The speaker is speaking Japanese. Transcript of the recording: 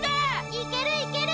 いけるいける！